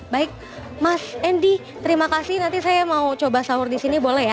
baik mas andy terima kasih nanti saya mau coba sahur disini boleh ya